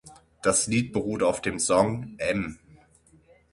Das Lied beruht auf dem Song "M.